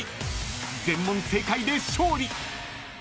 ［全問正解で勝利］